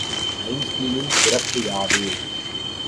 ஐன்ஸ்டீனின் சிறப்பு யாது?